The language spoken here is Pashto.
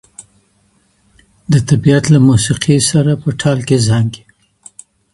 د طبیعت له موسیقي سره په ټال کې زانګي